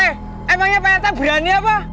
emangnya pak rt berani apa